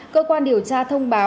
cơ quan điều tra thông báo